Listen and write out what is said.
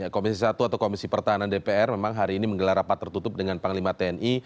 komisi satu atau komisi pertahanan dpr memang hari ini menggelar rapat tertutup dengan panglima tni